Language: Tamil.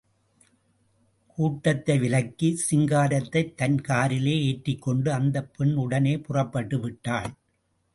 கூட்டத்தை விலக்கி, சிங்காரத்தை தன் காரிலே ஏற்றிக் கொண்டு அந்த பெண் உடனே புறப்பட்டுவிட்டாள்.